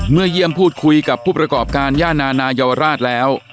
เยี่ยมพูดคุยกับผู้ประกอบการย่านนานายวราชแล้ว